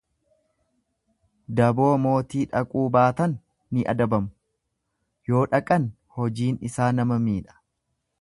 Daboo mootii dhaquu baatan ni adabamu, yoo dhaqan hojiin isaa nama miidha.